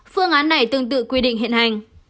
phương án này tương tự quy định hiện hành